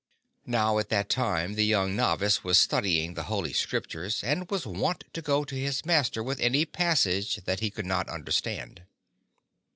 Now at that time the young novice was studying the Holy Scriptures and was wont to go to his master with any passage that he could not understand.